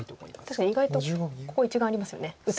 確かに意外とここ１眼ありますよね打てば。